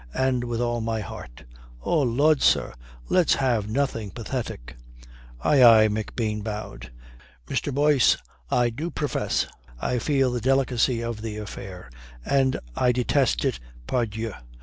And with all my heart " "Oh Lud, sir, let's have nothing pathetic." "Aye, aye," McBean bowed. "Mr. Boyce! I do profess I feel the delicacy of the affair, and I detest it, pardieu.